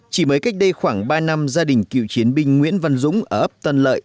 chỉ mới cách đây khoảng ba năm gia đình cựu chiến binh nguyễn văn dũng ở ấp tân lợi